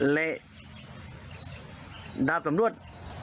เละดาบสำรวจ